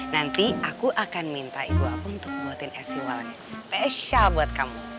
nanti aku akan minta ibu aku untuk buatin es siwalan yang spesial buat kamu